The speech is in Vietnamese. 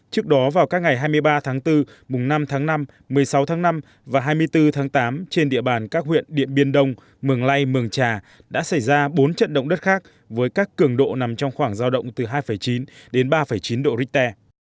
trước đó vào các ngày hai mươi ba tháng bốn mùng năm tháng năm một mươi sáu tháng năm và hai mươi bốn tháng tám trên địa bàn các huyện điện biên đông mường lây mường trà đã xảy ra bốn trận động đất khác với các cường độ nằm trong khoảng giao động từ hai chín đến ba chín độ richter